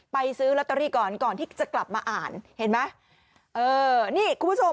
ซื้อลอตเตอรี่ก่อนก่อนที่จะกลับมาอ่านเห็นไหมเออนี่คุณผู้ชม